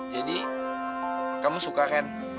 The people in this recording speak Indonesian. jadi kamu suka ken